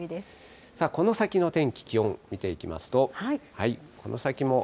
この先の天気、気温見ていきこの先も。